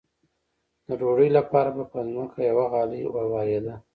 د ډوډۍ لپاره به په ځمکه یوه غالۍ اوارېده.